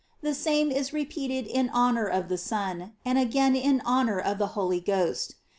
The same is repeated in honor of the Son, and again in honor of the Holy Ghost.